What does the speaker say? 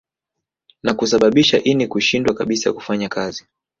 Na kusababisha ini kushindwa kabisa kufanya kazi